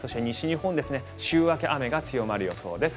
西日本、週明け雨が強まる予想です。